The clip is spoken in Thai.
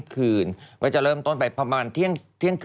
เป็นชั่วโมงกว่า๔๐กว่านาที